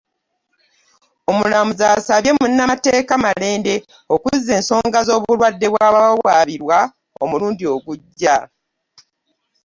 Omulamuzi asabye munnamateeka Malende okuzza ensonga z'obulwadde bw'abawawaabirwa omulundi ogujja.